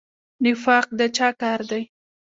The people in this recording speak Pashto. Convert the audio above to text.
نفاق د چا کار دی؟